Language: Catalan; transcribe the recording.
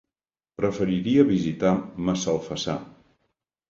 Preferiria visitar Massalfassar.